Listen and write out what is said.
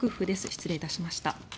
失礼いたしました。